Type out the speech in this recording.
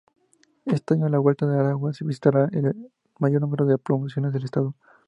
Este año la Vuelta a Aragua visitara el mayor número de poblaciones del estado.